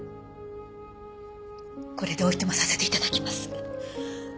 これでおいとまさせていただきます。